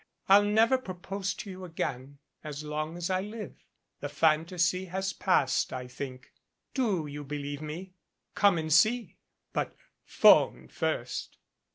I'll never propose to you again as long as I live. The phan tasy has passed, I think. Do you believe me? Come and see but 'phone first.